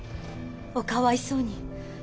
おかわいそうに。